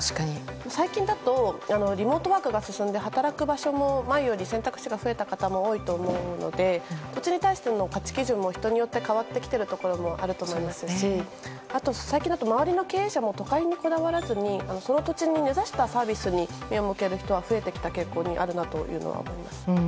最近だとリモートワークが進んで働く場所も前より選択肢が増えた方も多いと思うので土地に対しての価値基準も人によって変わっていることもあると思いますしあと、最近だと周りの経営者も都会にこだわらずにその土地に根差したサービスに目を向けることが増えてきた傾向にあるなと思います。